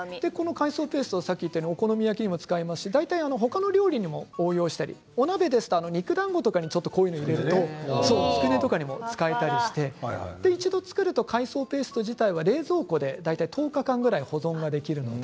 海藻ペーストお好み焼きにも使えますし他の料理にも応用したりお鍋ですと肉だんごに入れるとつくねとかにも使えたりして一度、作ると海藻ペースト自体は冷蔵庫で大体１０日間ぐらい保存できるので。